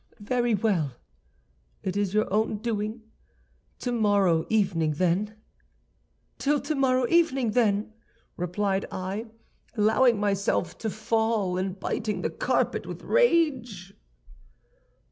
"'Very well, it is your own doing. Till tomorrow evening, then!' "'Till tomorrow evening, then!' replied I, allowing myself to fall, and biting the carpet with rage."